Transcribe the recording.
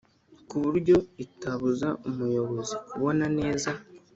kuburyo itabuza umuyobozi kubona neza